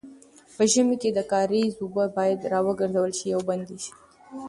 په ژمي کې د کاریزو اوبه باید راوګرځول او بندې شي.